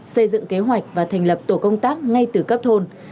xây dựng kế hoạch và thành lập tổ công tác ngay từ cấp thôn